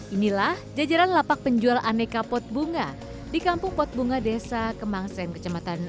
inilah jajaran lapak penjual aneka potbunga di kampung potbunga desa kemangsen kecamatan